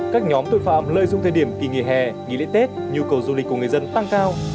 các nhóm tội phạm lợi dụng thời điểm kỳ nghỉ hè nghỉ lễ tết nhu cầu du lịch của người dân tăng cao